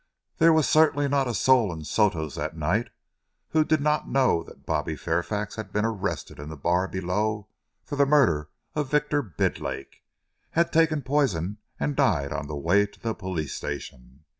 There was certainly not a soul in Soto's that night who did not know that Bobby Fairfax had been arrested in the bar below for the murder of Victor Bidlake, had taken poison and died on the way to the police station.